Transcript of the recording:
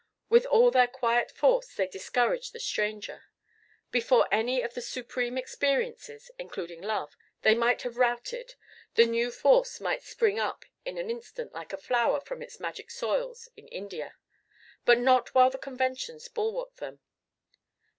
With all their quiet force they discouraged the stranger. Before any of the supreme experiences, including love, they might be routed, the new force might spring up in an instant like a flower from the magic soils of India but not while the conventions bulwarked them.